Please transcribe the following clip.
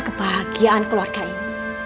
kebahagiaan keluarga ini